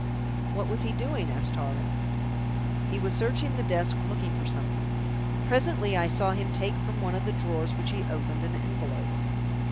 "What was he doing?" asked Tarling. "He was searching the desk, looking for something. Presently I saw him take from one of the drawers, which he opened, an envelope.